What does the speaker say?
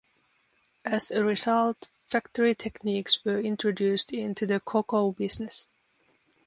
As a result, factory techniques were introduced into the cocoa business.